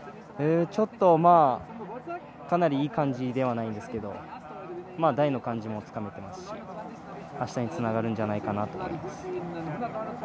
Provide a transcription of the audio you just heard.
ちょっとまぁ、かなりいい感じではないんですけど、台の感じもつかめていますし、明日につながるじゃないかなと思います。